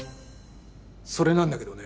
それなんだけどね。